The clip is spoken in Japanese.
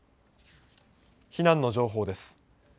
避難の情報です。